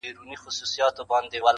• وږې پيشي د زمري سره جنکېږي -